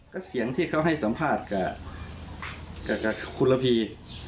ก็เสียงที่เขาให้สัมภาษณ์กับคุณระพี